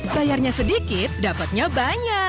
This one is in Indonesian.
bayarnya sedikit dapatnya banyak